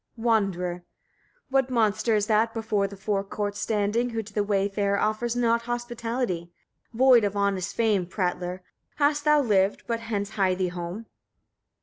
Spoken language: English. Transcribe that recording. Wanderer. 3. What monster is that, before the fore court standing, who to the wayfarer offers not hospitality? Void of honest fame, prattler! hast thou lived: but hence hie thee home.